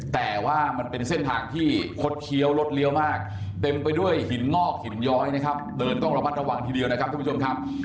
แต่ว่ามันเป็นเส้นทางที่คดเคี้ยวรถเลี้ยวมากเต็มไปด้วยหินงอกหินย้อยนะครับเดินต้องระมัดระวังทีเดียวนะครับทุกผู้ชมครับ